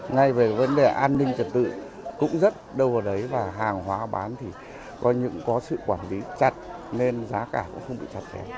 ngay về vấn đề an ninh trật tự cũng rất đâu vào đấy và hàng hóa bán thì có những có sự quản lý chặt nên giá cả cũng không bị chặt chẽ